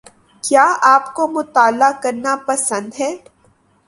کیا آپ کو مطالعہ کرنا پسند ہے